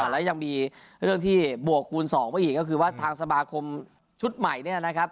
และยังมีเรื่องที่บวกคูณ๒มาอีกก็คือว่าทางสมาคมชุดใหม่เนี่ยนะครับ